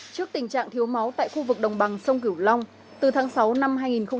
trước tình trạng thiếu máu tại khu vực đồng bằng sông kiểu long từ tháng sáu năm hai nghìn hai mươi ba